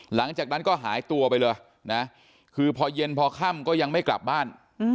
หลังจากนั้นก็หายตัวไปเลยนะคือพอเย็นพอค่ำก็ยังไม่กลับบ้าน